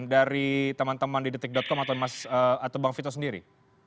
dari teman teman di detik com atau bang vito sendiri